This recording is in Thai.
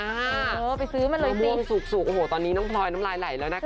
โอ้โหไปซื้อมันเลยสิมะม่วงสุกสุกโอ้โหตอนนี้น้องพลอยน้องลายไหล่แล้วนะคะ